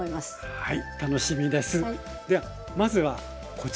はい。